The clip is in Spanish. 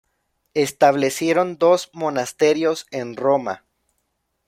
Establecieron dos monasterios en Roma.